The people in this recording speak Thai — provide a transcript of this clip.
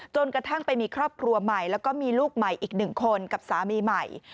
กระทั่งไปมีครอบครัวใหม่แล้วก็มีลูกใหม่อีกหนึ่งคนกับสามีใหม่